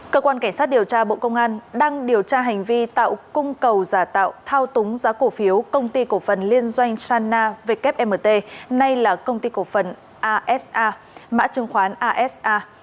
cơ quan cảnh sát điều tra bộ công an đang điều tra hành vi tạo cung cầu giả tạo thao túng giá cổ phiếu công ty cổ phần liên doanh sana wmt nay là công ty cổ phần asa mã chứng khoán asa